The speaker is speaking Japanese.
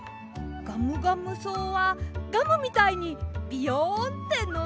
ガムガムそうはガムみたいにビヨンってのびます。